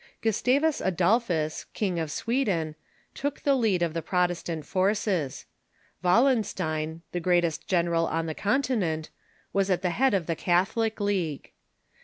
Gustavus Adolphus, King of Sweden, took the lead of the Protestant forces. Wallenstein, the greatest general on the Continent, was at the head of the Catholic League.